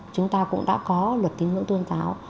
chúng ta cũng đã có luật tín ngưỡng tôn giáo